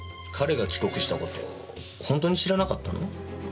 彼が帰国した事本当に知らなかったの？